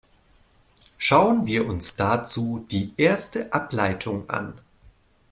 Schauen wir uns dazu die erste Ableitung an.